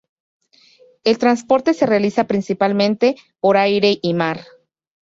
El transporte se realiza principalmente por aire y mar.